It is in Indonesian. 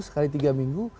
sekali tiga minggu